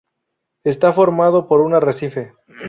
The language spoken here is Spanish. Está formado por un arrecife.